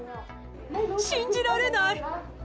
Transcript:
信じられない。